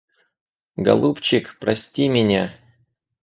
Голубчик, прости меня!